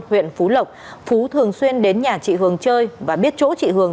huyện phú lộc phú thường xuyên đến nhà chị hường chơi và biết chỗ chị hường